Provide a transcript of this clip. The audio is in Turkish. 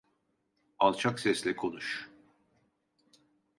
Alçak sesle konuş.